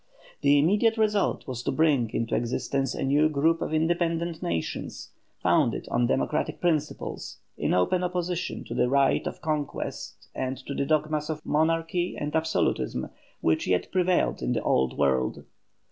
The immediate result was to bring into existence a new group of independent nations, founded on democratic principles, in open opposition to the right of conquest and to the dogmas of monarchy and absolutism which yet prevailed in the Old World.